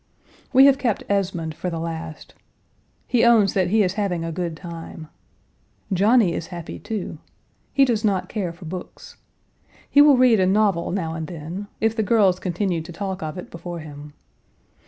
We have kept Esmond for the last. He owns that he is having a good time. Johnny is happy, too. He does not care for books. He will read a novel now and then, if the girls continue to talk of it before him.